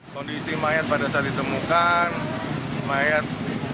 kondisi mayat pada saat ditemukan mayat